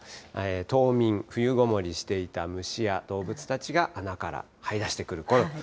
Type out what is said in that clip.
冬眠、冬ごもりしていた虫や動物たちが、穴からはい出してくるころ。